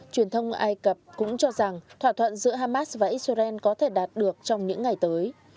truyền thông ai cập cũng cho rằng thỏa thuận giữa hamas và israel có thể đạt được trong những ngày tới